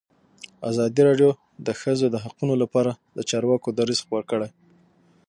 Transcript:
ازادي راډیو د د ښځو حقونه لپاره د چارواکو دریځ خپور کړی.